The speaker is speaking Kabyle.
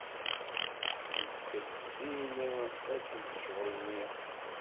Twekkel Tiziri ad teg ccɣel-nni.